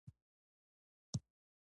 پلونه لیکم